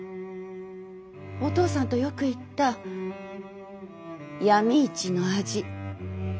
お父さんとよく行った闇市の味。